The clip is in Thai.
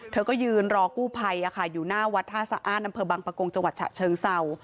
เธอก็ยืนรอกู้ภัยอยู่หน้าวัดท่าสะอ้านอำเภอบังปะกงจังหวัดฉะเชิงเศร้า